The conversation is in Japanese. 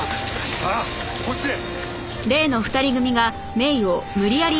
さあこっちへ。